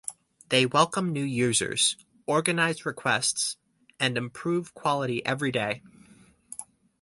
They welcome new users, organize requests and improve quality everyday.